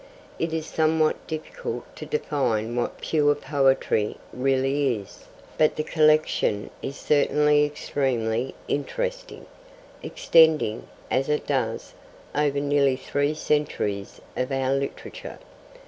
It is somewhat difficult to define what 'pure poetry' really is, but the collection is certainly extremely interesting, extending, as it does, over nearly three centuries of our literature.